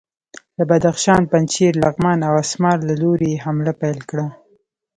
له بدخشان، پنجشیر، لغمان او اسمار له لوري یې حمله پیل کړه.